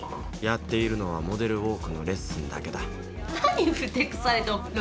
やっているのはモデルウォークのレッスンだけだ何ふてくされて。